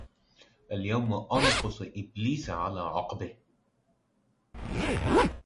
اليوم أنكص إبليس على عقبه